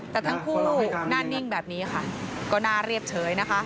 แต่ทั้งคู่หน้านิ่งแบบนี้ค่ะก็น่าเรียบเฉยนะคะ